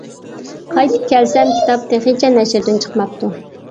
قايتىپ كەلسەم، كىتاب تېخىچە نەشردىن چىقماپتۇ.